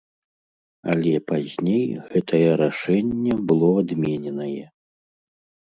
Але пазней гэтае рашэнне было адмененае.